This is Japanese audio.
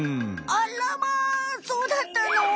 あらまそうだったの？